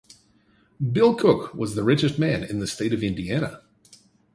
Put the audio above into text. Bill Cook was the richest man in the state of Indiana.